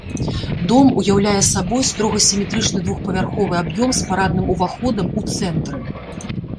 Дом уяўляе сабой строга сіметрычны двухпавярховы аб'ём з парадным уваходам у цэнтры.